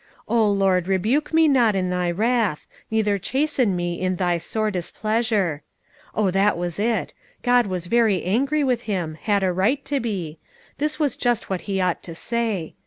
"O Lord, rebuke me not in Thy wrath, neither chasten me in Thy sore displeasure." Oh, that was it! God was very angry with him, had a right to be, this was just what he ought to say.